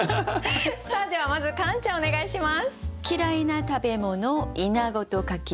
さあではまずカンちゃんお願いします。